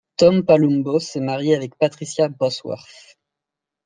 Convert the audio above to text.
Tom Palumbo s'est marié avec Patricia Bosworth.